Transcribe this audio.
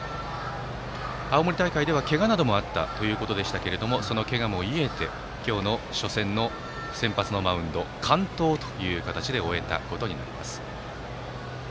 青森大会では、けがなどもあったということですがそのけがも癒えて今日の初戦の先発のマウンドを完投という形で終えたことになります。